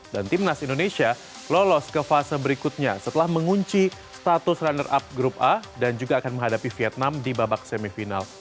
dan timnas indonesia lolos ke fase berikutnya setelah mengunci status runner up grup a dan juga akan menghadapi vietnam di babak semifinal